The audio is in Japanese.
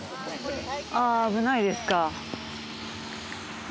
あ危ないですか。